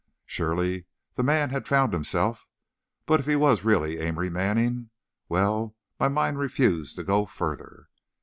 Surely, the man had found himself, but if he was really Amory Manning, well, my mind refused to go further.